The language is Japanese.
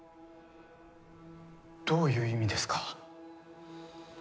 どういう意味ですか？